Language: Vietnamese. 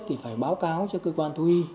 thì phải báo cáo cho cơ quan thu y